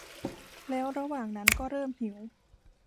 แล้วระหว่างนั้นก็เริ่มหิว